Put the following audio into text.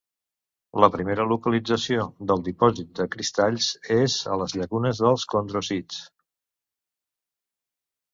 La primera localització del dipòsit de cristalls és a les llacunes dels condròcits.